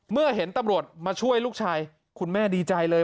เมื่อเห็นตำรวจมาช่วยลูกชายคุณแม่ดีใจเลย